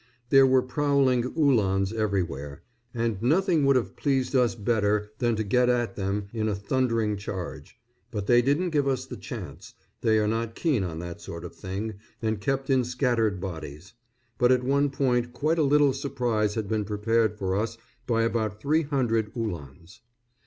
There were prowling Uhlans everywhere, and nothing would have pleased us better than to get at them in a thundering charge; but they didn't give us the chance, they are not keen on that sort of thing, and kept in scattered bodies. But at one point quite a little surprise had been prepared for us by about three hundred Uhlans.